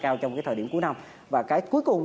cao trong cái thời điểm cuối năm và cái cuối cùng